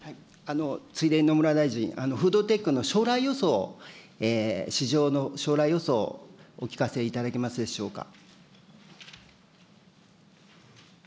ついでに野村大臣、フードテックの将来予想、市場の将来予想をお聞かせいただけますでしょうか。